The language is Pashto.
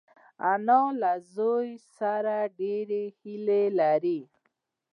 انا له زوی سره ډېرې هیلې لري